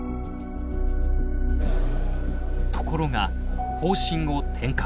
ところが方針を転換。